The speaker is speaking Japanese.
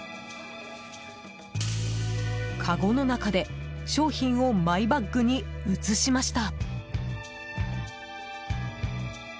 かごの中で商品をマイバッグに移しました。